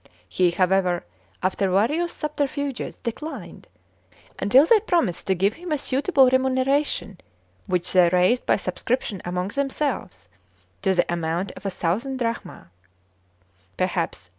He, however, after various subterfuges, declined, until they promised to give him a suitable remuneration, which they raised by subscription among themselves to the amount of a thousand drachmæ (perhaps £30).